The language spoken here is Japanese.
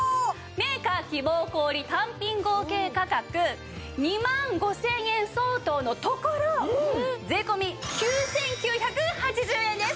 メーカー希望小売単品合計価格２万５０００円相当のところ税込９９８０円です！